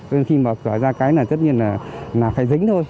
nên khi mở cửa ra cái này tất nhiên là phải dính thôi